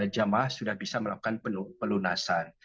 jemaah sudah bisa melakukan pelunasan